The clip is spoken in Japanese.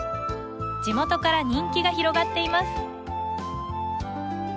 地元から人気が広がっています